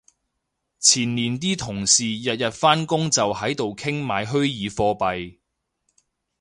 前年啲同事日日返工就喺度傾買虛擬貨幣